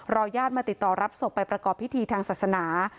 ญาติมาติดต่อรับศพไปประกอบพิธีทางศาสนา